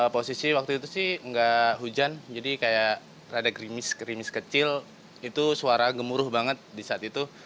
posisi waktu itu sih nggak hujan jadi kayak rada grimis grimis kecil itu suara gemuruh banget di saat itu